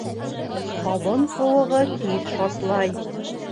Һабын ҡыуығы тиҙ шартлай.